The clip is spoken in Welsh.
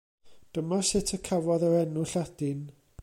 Dyma sut y cafodd yr enw Lladin.